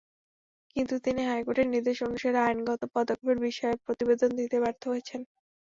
কিন্তু তিনি হাইকোর্টের নির্দেশ অনুসারে আইনগত পদক্ষেপের বিষয়ে প্রতিবেদন দিতে ব্যর্থ হয়েছেন।